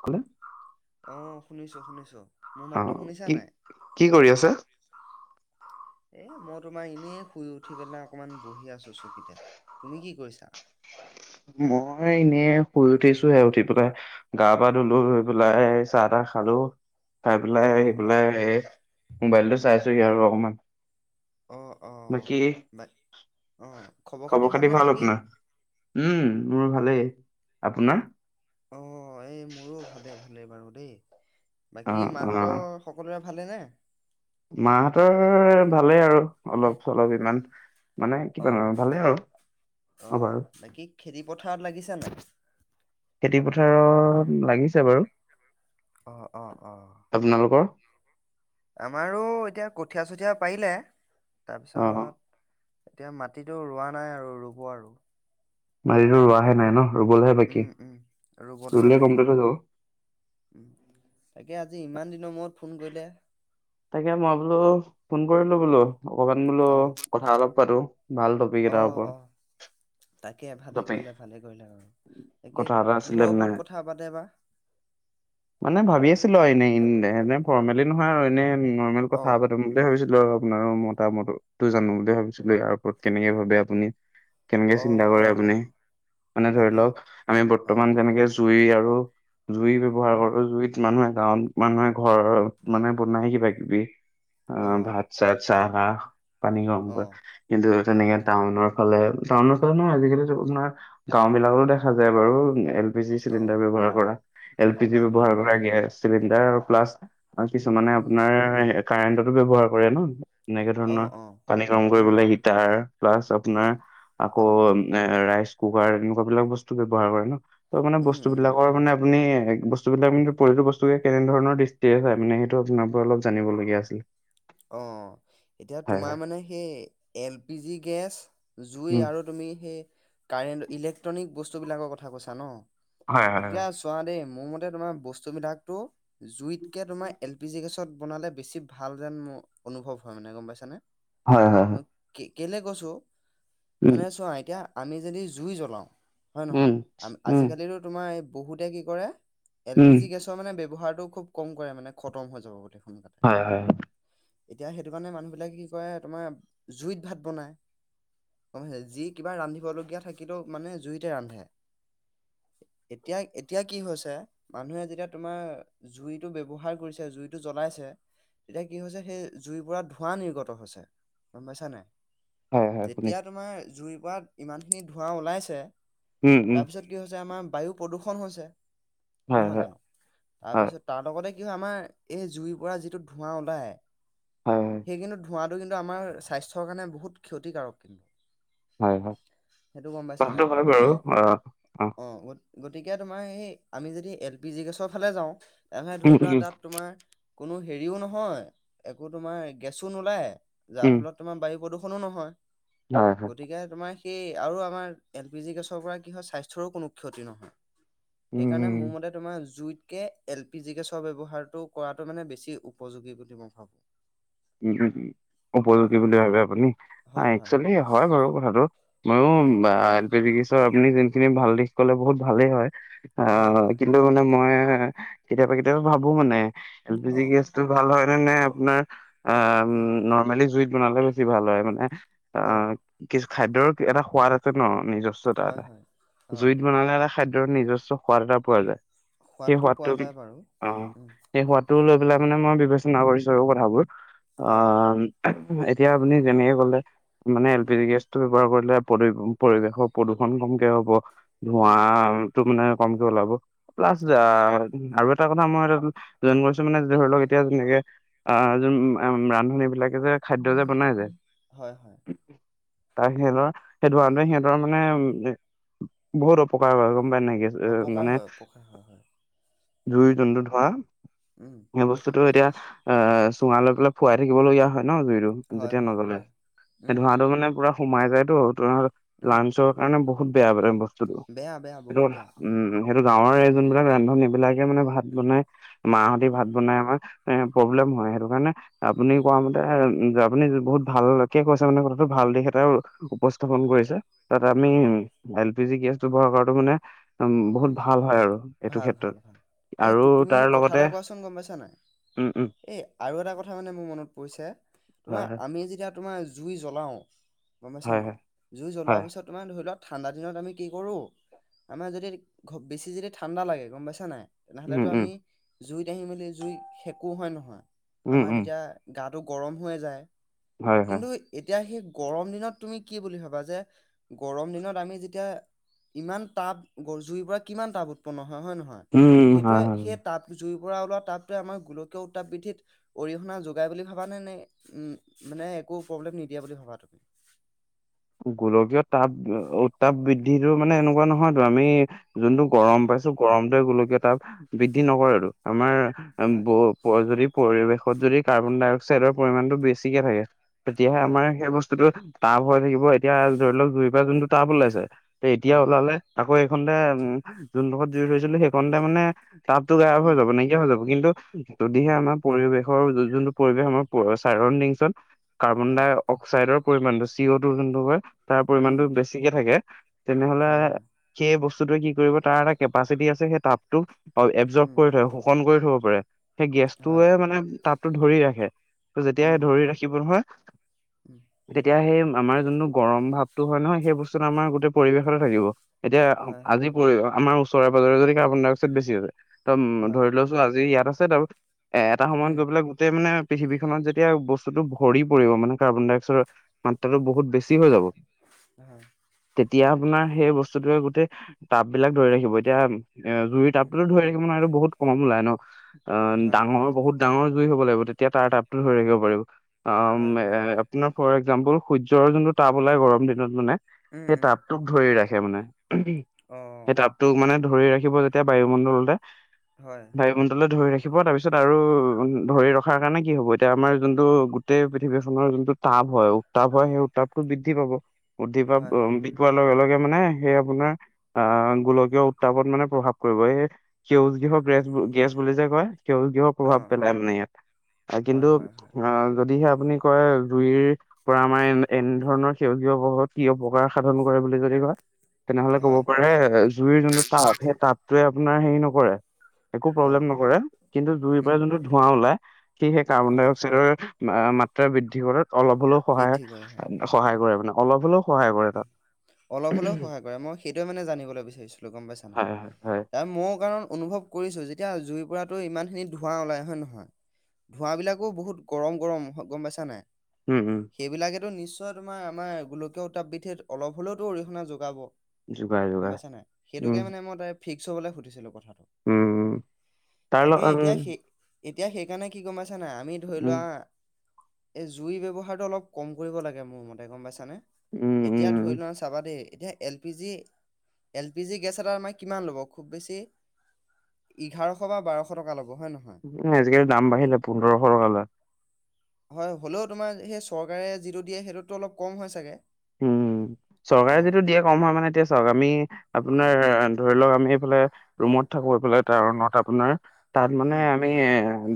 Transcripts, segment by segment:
কলে অ শুনিছো শুনিছো মোৰ মাতটো অ', শুনিছা কি কি কৰি আছা? নাই এই মই তোমাৰ এনেই শুই উঠি পেলাই অকণমান বহি আছোঁ চকীতে তুমি কি কৈৰিছা মই এনে শুই উঠিছোহে উঠি পেলাই গা পা ধলো ধুই পেলাই চাহ তাহ খালো চাই পেলাই অ সেই অ পেলাই এই মোবাইলতটো চাইছোহি আৰু অকমান অঁ অঁ বাকী বা অঁ খবৰ খাতি ভালনে বাকী উম মোৰ ভালেই আপোনাৰ অ এই মোৰো ভালেই ভালেই বাৰু দেই বাকী অ', মাহঁতৰ সকলোৰে ভালে নে মাহতৰ ভালেই আৰু অলপ চলপ ইমান মানে অ কিবানো ভালেই আৰু অ বাৰু খেতিপথাৰত লাগিছা নাই খেতি পথাৰত লাগিছে বাৰু অ অ অ উম আপোনালোকৰ? আমাৰো এতিয়া কঠীয়া চঠীয়া পাৰিলে অ', তাৰপিছত এতিয়া মাটিতো ৰোৱা নাই আৰু ৰুব আৰু মাটিতো ৰোৱাহে নাই ন' ৰুবলেহে বাকী উম উম ৰুবলৈহে ৰুলে বাকী অ কমপ্লিট হৈ যাব। উম তাকে আজি ইমান দিনৰ মূৰত ফোন কৰিলে। তাকে মই বোলো ফোন কৰিলো বোলো। অকমান বোলো অ', কথা অলপ পাতো ভাল টপিক এটাৰ অ', ওপৰত। অ', তাকে ভালে টপিক কৰিলা ভালে কৰিলা অ তাকে কথা এটা আছিলে কিহৰ মানে ওপৰত কথা পাতে বা? মানে ভাবি আছিলো আউ এনেই এনে ফৰ্মেলি নহয় আৰু এনে নৰ্মেল কথা অ', পাতিম বুলিয়ে ভাবিছিলো আউ আপোনাৰো মতামতো জানো বুলি ভাবিছিলো ইয়াৰ ওপৰত কেনেকে ভাবে আপুনি কেনেকে চিন্তা অ', কৰে। অ', অ', মানে ধৰি তাকে লওক আমি বৰ্তমান অ', যেনেকে জুই আৰু জুই ব্যৱহাৰ উম, কৰো জুইত মানুহে গাঁৱত মানুহে ঘৰত মানে বনাই কিবা কিবি অ' ভাত ছাত চাহ তাহ পানি অ', কিন্তু অ', তেনেকে টাউনৰ ফালে টাউনৰ ফালে নহয় আজিকালি আপোনাৰ গাও বিলাকতো দেখা যায় বাৰু এলি জি চিলিণ্ডাৰ অ', ব্যৱহাৰ কৰা এল পি জি হয়, হয়, ব্যৱহাৰ কৰা গেছ চিলিণ্ডাৰ প্লাছ আৰু কিছুমানে উম, আপোনাৰ কাৰেণ্টতো ব্যৱহাৰ কৰে ন এনেকে অ', ধৰণৰ অ', পানী গৰম উম, কৰিবলে হিটাৰ প্লাছ আপোনাৰ আকৌ অ', মানে ৰাইচ কুকাৰ এনেকুৱা বিলাক বস্তু ব্যৱহাৰ কৰে ন ত মানে উম, বস্তু উম, বিলাকৰ মানে আপুনি বস্তুবিলাক কিন্তু প্ৰয়োজনিয় বস্তু কেনে ধৰণৰ দৃষ্টিৰে হয় মানে সেইটো আপোনাৰ পৰা অলপ জানিব লগীয়া আছিলে। অ এতিয়া হয় তোমাৰ হয় মানে সেই এল পি জি গেছ জুই উম। আৰু তুমি সেই কাৰেণ্ট ইলেকট্ৰনিক বস্তু বিলাকৰ কথা কৈছা ন হয় হয় এতিয়া হয়। চোৱা দেই মোৰ মতে তোমাৰ বস্তু বিলাকটো জুইতকে তোমাৰ এল পি জি গেছত বনালে বেছি ভাল যেন মোৰ অনুভৱ হয় মানে গম পাইছানে হয় হয় হয় মই কে কেলে কৈছো উম মানে চোৱা এতিয়া আমি যদি জুই জ্বলাওঁ হয় উম নহয় উম আজিকালিতো তোমাৰ বহুতে কি কৰে এল পি উম জি গেছটো মানে ব্যৱহাৰটো খুব কম কৰে মানে খতম হৈ যাব বোলি সোনকালে। হয় হয়। এতিয়া সেইটো কাৰণে মানুহবিলাকে কি কৰে তোমাৰ জুইত ভাত বনাই। গম পাইছে যি কিবা ৰান্ধিবলগীয়া থাকিলেও মানে জুইতে ৰান্ধে। এতিয়া এতিয়া কি হৈছে মানুহে যেতিয়া তোমাৰ জুইটো ব্যৱহাৰ কৰিছে জুইটো জ্বলাইছে। তেতিয়া কি হৈছে সেই জুইবোৰত ধোঁৱা নিৰ্গত হৈছে গম পাইছা নাই। হয় হয় যেতিয়া শুনিছো তোমাৰ জুইৰ পৰা ইমানখিনি ধোঁৱা ওলাইছে উম উম তাৰপিছত কি হৈছে আমাৰ বায়ু প্ৰদূষণ হৈছে হয় নহয় হয় জানো। হয় তাৰপিছত তাৰ লগতে কি হয় আমাৰ এই জুইৰ পৰা যিটো ধোঁৱা ওলাই। উম সেই কিন্তু ধোঁৱাটো কিন্তু আমাৰ স্বাস্থ্যৰ কাৰণে বহুত ক্ষতিকাৰক কিন্তু। হয় হয় হয় সেইটো গম পাইছা কথাটো নাই হয় বাৰু গতিকে অ অ গ গতিকে তোমাৰ সেই আমি যদি এল পি জি গেছৰ ফালে যাওঁ তেনে উম ধৰি লোৱা উম তাত তোমাৰ কোনো হেৰিও নহয় একো তোমাৰ গেছো নোলায় যাৰ উম ফলত তোমাৰ বায়ু প্ৰদূষণো নহয় হয় হয় গতিকে তোমাৰ কি আৰু আমাৰ এল পি জি গেছৰ পৰা কি হয় স্বাস্থ্যৰো কোনো ক্ষতি নহয়। সেইকাৰণে মোৰ উম মতে তোমাৰ জুইতকে এল পি জি গেছৰ ব্যৱহাৰটো কৰাটো মানে বেছি উপযোগী বুলি মই ভাবোঁ। উম হুম। অ উপযোগী বুলি ভাবে আপুনি হয় হয় একচুৱেলি হয় বাৰু কথাটো মইও উম বা আপুনি যোনখিনি ভাল দিশ কলে বহুত ভালেই হয় হয় আহ হয় কিন্ত ত মানে মই কেতিয়াবা কেতিয়াবা ভাবো মানে L P uh G gas ত ভাল হয় নে আপোনাৰ আহ উম নৰ্মেলি জুইত বনালে বেছি ভাল হয় মানে অ কিচ খাদ্যৰ এটা সোৱাদ এটা ন নিজস্ব এটা হয় এটা হয় অ জুইত বনালে খাদ্যৰ নিজস্ব সোৱাদ এটা পোৱা যায় সেই সোৱাদটো পোৱা যায় বাৰু উম অ সেই সোৱাদটো লৈ পেলাই মানে মই বিবেচনা কৰিছো আৰু কথাবোৰ অ এতিয়া আপুনি যেনেকে কলে মানে L um P G gas ব্যৱহাৰ কৰিলে পৰিৱেশৰ প্ৰদূষণ কমকে হ'ব। ধোঁৱা উম, টো মানে কমকে ওলাব প্লাছ অ, আৰু এ এটা কথা মই জইন কৰিছোঁ মানে ধৰি লওক এতিয়া যেনেকে অ যোন ৰান্ধনী বিলাকে যে খাদ্য যে বনাই যে হয় হয় তাৰ সিহঁতৰ সেইটো কাৰণতে সিহঁতৰ মানে বহুত অপকাৰ কৰে গম পাই নাপায় এ অপকাৰ মানে হয়, অপকাৰ হয়, হয়, জুই উম, যোনটো ধোঁৱা উম, সেই বস্তু বটো এতিয়া অ চুঙা লৈ পেলাই ফুৱাই থাকিবলগীয়া হয় ন জুইট হয়, যেতিয়া হয়, নজ্বলে হয়, সেই উম, ধোঁৱাটো মানে সোমাই যায়তো তোমাৰ উম, লাঞ্চৰ কাৰণে বহুত বেয়া মানে বস্তুটো বেয়া বেয়া সেইটো বহুত কথা বেয়া, উম সেইটো উম, গাঁৱৰে যোনবিলাক ৰান্ধনী বিলাকে মানে ভাত উম, বনাই মাহাহতি উম, ভাত বনাই আমাৰ এ প্ৰব্লেম হয় সেইটো কাৰণে আপুনি উম, কোৱা মতে এ উ আপুনি বহুত ভাল কি কৈছে মানে কথাটো ভাল দিশ এটাই উপস্থাপন হয়, কৰিছে তাত আমি হয়, এল পি জি গেছটো ব্যৱহাৰ কৰাটো মানে উ বহুত উম, ভাল হয় আৰু এইটো ভাল, ক্ষেত্ৰত ভাল, ভাল, এই আৰু তু- তুমি তাৰ মোক কথা এটা লগতে কোৱাচোন গম পাইছা নাই? উম উম এই আৰু এটা কথা মানে মোৰ মনত পৰিছে তোমাৰ হয় হয় আমি যেতিয়া তোমাৰ জুই জ্বলাওঁ গম পাইছা হয় নাই হয় জুই জ্বলোৱাৰ হয় পিছত তোমাৰ ধৰি লোৱা ঠাণ্ডা দিনত আমি কি কৰোঁ আমাৰ যদি ঘ বেছি যদি ঠাণ্ডা লাগে গম পাইছা নাই উম তেনেহলেতো উম আমি জুইত আহি মেলি জুই সেকো হয় নহয় উম আমাৰ উম তেতিয়া গাটো গৰম হৈয়েই যায় হয় হয় কিন্তু এতিয়া সেই গৰম দিনত তুমি কি বুলি ভাবা যে গৰম দিনত আমি যেতিয়া ইমান তাপ জুইৰ পৰা কিমান তাপ উৎপন্ন হয় হয়ে নহয় উম উম হয় সেইটোৱে হয় সেই তাপ জুই পৰা ওলোৱা তাপটোৱে আমাৰ গোলকীয় উৎতাপ বৃদ্ধিত অৰিহণা যোগাই বুলি ভাবানে নে উম মানে একো প্ৰব্লেম নিদিয়ে বুলি ভাবা তুমি গোলকীয় তাপ উত্তাপ বৃদ্ধিটো মানে এনেকুৱা নহয়তো আমি যোনটো গৰম হয়। পাইছোঁ গৰম টোৱে গোলকীয়া তাপ বৃদ্ধি নকৰে টো আৰু আমাৰ হয়, বু যদি পৰিৱেশত যদি কাৰ্বন ডাই অক্সাইডৰ পৰিমাণটো বেছিকে থাকে তেতিয়াহে হয়, আমাৰ সেই বস্তুটো তাপ হৈ থাকিব এতিয়া ধৰি লওক জুইৰ পৰা যোনটো তাপ ওলাইছে এতিয়া হয়, ওলালে আকৌ এইকনতে উম যোন ডখত জুই ধৰিছিলোঁ সেইকনতে মানে তাপতো গায়ব হৈ উম, যাব নাইকিয়া হৈ যাব কিন্তু যদিহে হয়, আমাৰ পৰিৱেশৰ যোনটো পৰিৱেশ আমাৰ চাইৰডিংছত কাৰ্বন হয়, ডাই অক্সাইড পৰিমানটো চি অ'টো যোনটো কয় তাৰ পৰিমানটো উম, বেছিকে থাকে তেনেহলে হয়, হয়, সেই বস্তুটোৱে কি কৰিব তাৰ এটা কেপাচিটি আছে সেই তাপটো অ এবজৰভ উম, কৰি থয় শোখণ কৰি থব পাৰে সেই হয়, গেছটোৱে মানে তাপটো ধৰি ৰাখে উম, যেতিয়াই ধৰি ৰাখিব নহয় উম তেতিয়া সেই আমাৰ যোনটো গৰম ভাপটো হয় নহয় সেই বস্তুটো আমাৰ গোটেই পৰিৱেশতে থাকিব এতিয়া হয়, হয়, আজি পৰিবেশ আমাৰ ওচৰে পাজৰে যদি কাৰ্বন ডাই অক্সাইড বেছি হৈ যায় হয়, ধৰি লোৱা আজি ইয়াত আছে তাৰ পিছত এ এটা সময়ত উম, গৈ পেলাই গোটেই মানে পৃথিৱীখনত যেতিয়া বস্তুটো ভৰি পৰিব মানে কাৰ্বন ডাই অক্সাইডৰ তেতিয়া টো বহুত বেছি হৈ যাব হয়, তেতিয়া আপোনাৰ সেই বস্তুটোৱে গোটেই তাপ বিলাক ধৰি ৰাখিব এতিয়া এ জুইৰ উম, টাবটোতো ধৰি থাকিব নোৱাৰো, বহুত কম ওলায় ন! অ হয়, হয়, ডাঙৰ বহুত ডাঙৰ জুই হ'ব লাগিব তেতিয়া তাৰ তাপটো ধৰি ৰাখিব পাৰিব। অ হয়, হয়, হয়, আপোনাৰ ফৰ এক্জাম্পল সূৰ্যৰ যোনটো তাপ ওলাই গৰম দিনত মানে উম, সেই টাপটোক ধৰি ৰাখে মানে। অ, অ, তোক মানে ধৰি ৰাখিব যেতিয়া বায়ুমণ্ডলতে হয়! বায়ুমণ্ডলে ধৰি ৰাখিব, তাৰপিছত আৰু ধৰি ৰখাৰ কাৰণে কি হ'ব এতিয়া আমাৰ যোনটো গোটেই পৃথিৱীখনৰ যোনটো তাপ হয়, উত্তাপ হয়, সেই উত্তাপটো বৃদ্ধি পাব। বৃদ্ধি পাব হয়, হয়, হয়, লগে, লগে মানে সেই আপোনাৰ অ গোলকীয় উত্তাপত মানে প্ৰভাৱ কৰিব, এই সেউজ গৃহ উম, গেছবোৰ, গেছ বুলি যে কয় সেউজ গৃহই প্ৰভাৱ অ', পেলাই মানে ইয়াত। হয়, কিন্তু, হয়, হয়, আহ যদিহে আপুনি কয় জুইৰ পৰা আমাৰ এ এনেধৰণৰ সেউজ গৃহই কি অপকাৰ সাধন কৰে বুলি যদি কয় তেনেহলে কব হয়, পাৰে-জুইৰ যোনটো তাপ, সেই তাপটোৱে আপোনাৰ হেৰি নকৰে। একো প্ৰব্লেম অ', নকৰে, কিন্তু জুইৰ পৰা উম, যোনটো ধোঁৱা ওলাই, সেই হয়, কাৰ্বন-ডাই-অক্সাইডৰ মাত্ৰা বৃদ্ধি কৰাত অলপ হ'লেও সহায় বৃদ্ধি কৰে হয়, সহায় উম, কৰে মানে। অলপ হলও অলপ হ'লেও সহায় কৰে, মই সেইটোয়ে মানে জানিবলৈ বিচাৰিছিলো গম পাইছানে। হয় হয় হয় কাৰণ, মও কাৰণ অনুভৱ কৰিছো, যেতিয়া জুইৰ পৰাতো ইমান খিনি ধোঁৱা ওলাই হয় নে নহয়? ধোঁৱাবিলাকো বহুত গৰম গৰম হয়, গম পাইছা নাই। উম, উম! সেইবিলাকেতো নিশ্চয় তোমাৰ আমাৰ গোলকীয় উত্তাপবৃদ্ধিত অলপ হলেওতো অৰিহণা যোগাব। যোগাৰ গম যোগাৰ পাইছা নাই? সেইটোকে উম মানে মই তাই ফিক্স হবলৈ সুধিছিলো কথাটো, উম তাৰ তাকে লগত এতিয়া সেই এতিয়া সেইকাৰণে কি গম পাইছা নাই, আমি ধৰি উম লোৱা এই জুই ব্যৱহাৰটো অলপ কম কৰিব লাগে, মোৰ মতে গম পাইছানে। উম! এতিয়া ধৰি উম লোৱা চাবা দেই এতিয়া L P G L P G gas এটা আমাৰ কিমান ল'ব? খুব বেছি এঘাৰশ বা বাৰশ টকা ল'ব হয় নহয়। আজিকালি দাম কিন- বাঢ়িলে পোন্ধৰশ টকা লয়। হয়, হ'লও তোমাৰ সেই চৰকাৰে যিটো দিয়ে সেইটোততো অলপ কম হয় চাগে? উম! অ চৰকাৰে যিটো দিয়ে কম হয় মানে এতিয়া চাওক আমি উম আপোনাৰ ধৰি লওক আমি এইফালে ৰুমত থাকো এইফালে টাউনত আপোনাৰ তাত মানে উম আমি এ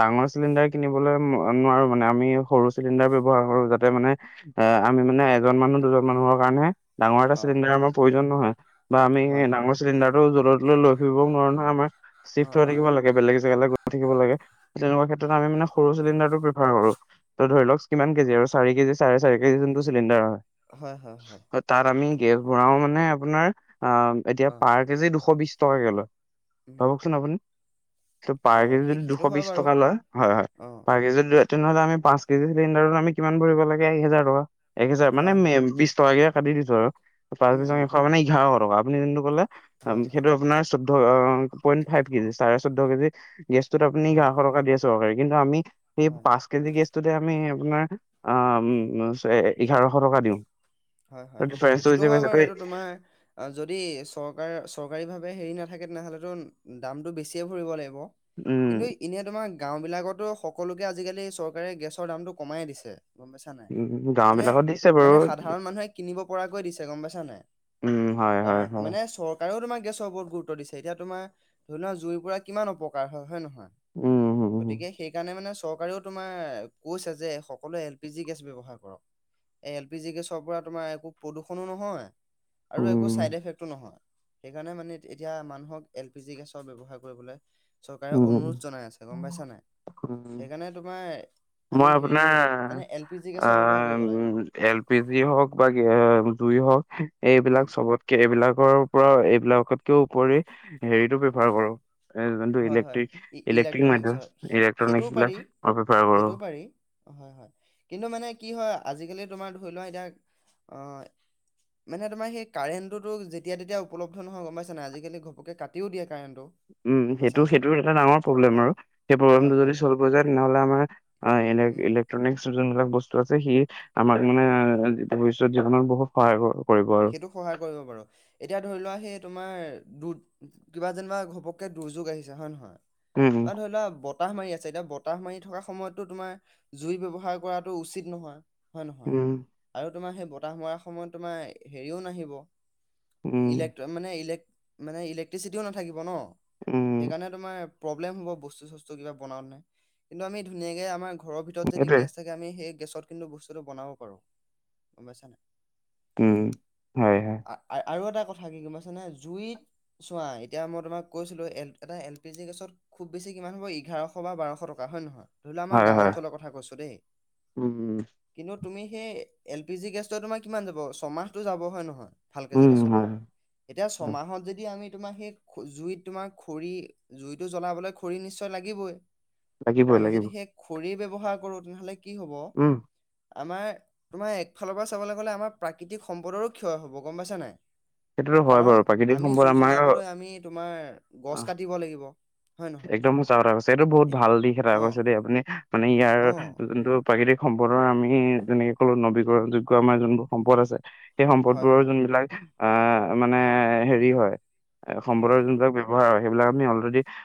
ডাঙৰ চিলিণ্ডাৰ কিনিবলৈ নোৱাৰোঁ, মানে আমি সৰু চিলিণ্ডাৰ ব্যৱহাৰ কৰোঁ যাতে মানে আহ, আমি মানে এজন মানুহ, দুজন মানুহৰ কাৰণেহে। ডাঙৰ এটা অ চিলিণ্ডাৰ আমাৰ প্ৰয়োজন নহয়! বা আমি হয় হয় ডাঙৰ চিলিণ্ডাৰটো জলৈ তলৈ ফুৰিবও নোৱাৰো নহয় আমাৰ অ চিফ্ট হৈ অ থাকিব লাগে বেলেগ জেগালৈ গৈ থাকিব লাগে। তেনেকুৱা ক্ষেত্ৰত আমি মানে সৰু চিলিণ্ডাৰটো প্ৰিফাৰ কৰো, ত ধৰি লওক কিমান কেজি আৰু চাৰি কেজি, চাৰে চাৰি কেজি যোনটো চিলিণ্ডাৰ হয়। হয়, হয়, হয়, তাত, আমি গেছ ভৰাও মানে-আপোনাৰ অ এতিয়া অ পাৰ কেজি দুশ বিশ টকাকে লয়। উম ভাবকচোন আপুনি ত পাৰ অ কেজি সেই সেইটো দুশ হয় বিশ বাৰু টকা লয়, হয় হয় অ পাৰ কেজি তেনেহলে আমি পাঁচ কেজি চিলিণ্ডাৰটোত আমি কিমান ভৰিব লাগে এক হেজাৰ টকা। এক হেজাৰ মানে হয় মে হয় বিশ টকাকে কাটি দিছো আৰু তাৰ উম পিছত উম এশ মানে এঘাৰশ টকা, আপুনি যোনটো কলে হয় হয় সেইটো আপোনাৰ চৌধ, পইণ্ট ফাইভ কেজি! চাৰে চৌধ কেজি গেছটোত আপুনি হয় এঘাৰশ টকা দি আছে চৰকাৰে কিন্তু আমি সেই হয় পাচ [inaudible] কেজি গেছতোতে আমি আপোনাৰ [unintelligible] এঘাৰশ টকা দিওঁ। হয়-হয়, ডিফাৰেন্সটো সেইটো বুজি হয় পাইছা বাৰু এইটো তোমাৰ [inaudible] যদি চৰকাৰ চৰকাৰীভাৱে হেৰি নাথাকে তেনেহ'লেতো দামটো বেছিয়ে ভৰিব লাগিব। [unintelligible] উম কিন্তু এনেই তোমাৰ গাওঁবিলাকতো সকলোকে আজিকালি চৰকাৰে গেছৰ দামটো কমাই দিছে। [inaudible] গম পাইছা নাই? উম গাওঁ বিলাকত দিছে বাৰু মানে-মানে সাত [inaudible] সাধাৰণ মানুহে কিনিব পৰাকৈ দিছে গম পাইছা নাই? উম হয় হয় [unintelligible] হয় মানে চৰ চৰকাৰেও তোমাৰ গেছৰ ওপৰত গুৰুত্ব দিছে। এতিয়া তোমাৰ ধৰি লোৱা জুইৰ পৰা কিমান অপকাৰ হয় নে নহয়? [unintelligible] উম উম গতিকে সেইকাৰণে মানে চৰকাৰেও তোমাৰ কৈছে যে সকলোৱে এলপিজি গেছ ব্যৱহাৰ কৰক। [unintelligible] [inaudible] এলপিজি গেছৰ পৰা তোমাৰ একো প্ৰদূষণো নহয় আৰু একো উম চাইড এফেক্টো নহয়। সেইকাৰণে মানে এতিয়া মানুহক এলপিজি গেছৰ ব্যৱহাৰ কৰিবলৈ [inaudible] চৰকাৰে উম অনুৰোধ জনাই আছে, গ'ম পাইছা নাই? [unintelligible] উম সেইকাৰণে তোমাৰ মই আমি হেৰি কৰ আপোনাৰ মানে এলপিজি গেছৰ ব্যৱহাৰ কৰিব লাগে। [unintelligible] এলপিজি হওঁক বা [unintelligible] জুই হওঁক উম এইবিলাক চবত [unintelligible] এইবিলাকৰ পৰাও এইবিলাকৰ উপৰি হেৰিতো উম ব্যৱহাৰ কৰোঁ যোনটো হয় হয় ইলেক্ট্ৰিক ইলেক্ট্ৰিক-ইলেক্ট্ৰিক ইলেক্ট্ৰনিকছ মাধ্যম হয় ইলেক্ট্ৰনিক সেইটোও বিলাক মই ব্যৱহাৰ কৰোঁ। [unintelligible] হয়-হয়। কিন্তু মানে কি হয় আজিকালি তোমাৰ ধৰি লোৱা এতিয়া অঁ [unintelligible] মানে তোমাৰ সেই কাৰেণ্টটোতো যেতিয়া তেতিয়া উপলব্ধ নহয় গ'ম পাইছা নাই আজিকালি ঘপকে কাটি [inaudible] কাটিও দিয়ে কাৰেণ্টটো। [inaudible] উম! গম পাইছা নাই সেইটো-সেইটোৰ এটা ডাঙৰ প্ৰব্লেম অ আৰু সেই হয় প্ৰব্লেমটো যদি হয় চল্ভ হৈ যায় তেনেহ'লে আমাৰ [inaudible] হয় ইলেক-ইলেক [unintelligible] উম ইলেক্ট্ৰনিক যোনবিলাক বস্তু আছে সি আমাৰ মানে হয় ভৱিষ্যত জীৱনৰ বহুত [unintelligible] সহায় কৰিব-কৰিব আৰু। [inaudible] সেইটো সহায় কৰিব বাৰু [unintelligible] এতিয়া ধৰি লোৱা সেই তোমাৰ [unintelligible] কিবা যেনিবা ঘপককে দুৰ্যোগ আহিছে হয় নে নহয়। উম, অহ ধৰি লোৱা বত [unintelligible] বতাহ মাৰি আছে এতিয়া বতাহ মাৰি থকা সময়ততো তোমাৰ জুই ব্যৱহাৰ কৰাটো উচিত নহয়। [unintelligible] হয় নহয় উম। আৰু তোমাৰ সেই বতাহ মৰা সময়ত তোমাৰ হেৰিও নাহিব। [unintelligible] উম, ইলেকট মানে ইলেক মানে ইলেক্ট্ৰিচিটিও নাথাকিব ন উম, সেইকাৰণে তোমাৰ [unintelligible] প্ৰব্লেম হ'ব বস্তু-চস্তু কিবা বনাওতে। কিন্তু আমি ধুনীয়াকে আমাৰ ঘৰৰ ভিতৰত যদি এইটোৱে গেছ থাকে [unintelligible] গতিকে আমি সেই গেছত কিন্তু বস্তুটো বনাব পাৰো গ'ম পাইছা নাই। [unintelligible] উম! হয়। [unintelligible] [unintelligible] আৰু এটা কথা কি গ'ম পাইছানে জুইত চোৱা এতিয়া মই তোমাক কৈছিলো এ এটা এলপিজি গেছত [unintelligible] খুব বেছি কিমান হ'ব এঘাৰশ বা বাৰশ টকা হয় নহয়? [unintelligible] ধৰি লোৱা আমাৰ হয়, গাওঁ হয়। অঞ্চলৰ কথা কৈছো দেই উম, [unintelligible] কিন্তু তুমি সেই এলপিজি গেছটো তোমাৰ কিমান যাব ছমাহটো যাব হয় নহয়? [inaudible] ভালকৈ উম, যদি উম, চলায়। হয়, এতিয়া হয়, ছমাহত যদি আমি তোমাৰ সেই জুইত তোমাৰ খৰি [inaudible] জুইটো জ্বলাবলৈ খৰি নিশ্চয় লাগিবই। [inaudible] লাগিবই আমি যদি লাগিব সেই খৰি ব্যৱহাৰ কৰোঁ তেনেহ'লে কি হ'ব [unintelligible] উম, আমাৰ তোমাৰ একফালৰ পৰা চাবলৈ গ'লে আমাৰ প্ৰাকৃতিক সম্পদৰো ক্ষয় হ'ব গম পাইছা নাই? সেইটোতো [inaudible] হয় কাৰণ বাৰু প্ৰাকৃতিক আমি সম্পদ জুই আমাৰ জ্বলাবলৈ আমি তোমাৰ গছ কাটিব লাগিব। [unintelligible] একদম সঁচা কথা কৈছে। এইটো বহুত এত- ভাল দিশ এটা অ কৈছে দেই আপুনি মানে ইয়াৰ অ যোনটো [unintelligible] প্ৰাকৃতিক সম্পদৰ আমি যেনেকে কলো নৱীকৰণযোগ্য আমাৰ যোনবোৰ সম্পদ আছে [inaudible] সেই হয় সম্পদবোৰৰ হয় যোনবিলাক আহ মানে হেৰি হয় সম্পদৰ হয় যোনবিলাক। সেইবিলাক আমি অলৰেডি-